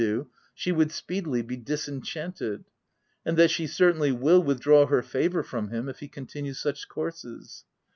335 do, she would speedily be disenchanted ; and that she certainly will withdraw her favour from him, if he continues such courses.